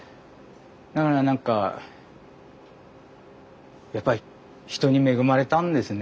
だから何かやっぱり人に恵まれたんですね。